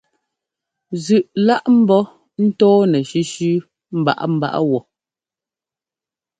Zʉꞌ lá ḿbɔ́ ńtɔ́ɔnɛ sʉsʉ mbaꞌámbaꞌá wɔ.